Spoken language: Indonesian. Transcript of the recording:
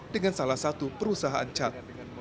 dengan salah satu perusahaan cat